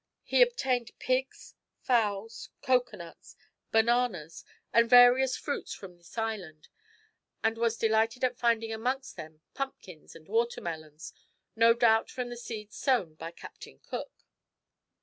He obtained pigs, fowls, cocoa nuts, bananas, and various fruits from this island, and was delighted at finding amongst them pumpkins and watermelons, no doubt from the seeds sown by Captain Cook.